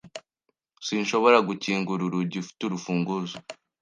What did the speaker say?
Sinshobora gukingura urugi. Ufite urufunguzo?